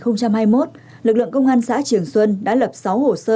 năm hai nghìn hai mươi một lực lượng công an xã trường xuân đã lập sáu hồ sơ